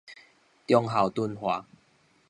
忠孝敦化